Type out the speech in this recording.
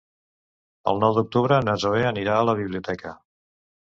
El nou d'octubre na Zoè anirà a la biblioteca.